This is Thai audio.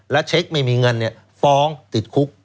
และเช็คไม่มีเงินฟ้องติดคุก